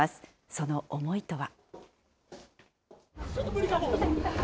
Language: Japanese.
その思いとは。